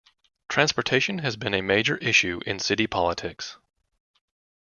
Transportation has been a major issue in city politics.